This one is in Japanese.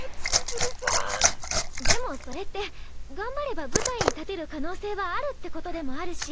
でもそれって頑張れば舞台に立てる可能性はあるってことでもあるし。